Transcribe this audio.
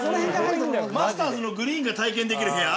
マスターズのグリーンが体験できる部屋？